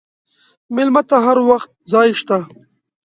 مېلمه ته هر وخت ځای شته.